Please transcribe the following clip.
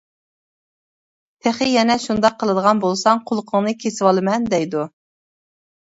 تېخى يەنە شۇنداق قىلىدىغان بولساڭ، قۇلىقىڭنى كېسىۋالىمەن دەيدۇ.